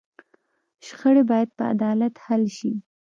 شخړې باید په عدالت حل شي.